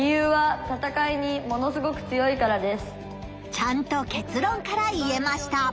ちゃんと結論から言えました。